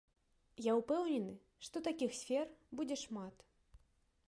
Я ўпэўнены, што такіх сфер будзе вельмі шмат.